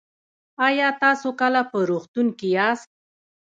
ایا تاسو کله په روغتون کې یاست؟